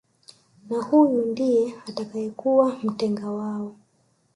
Na huyu ndiye atakayekuwa mtenga wao